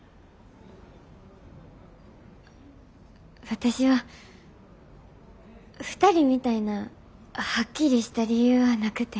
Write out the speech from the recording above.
私は２人みたいなはっきりした理由はなくて。